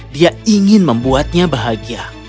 dia ingin membuatnya bahagia